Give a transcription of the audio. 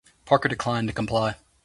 Parker declined to comply.